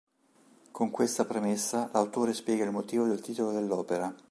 Con questa premessa l'autore spiega il motivo del titolo dell'opera.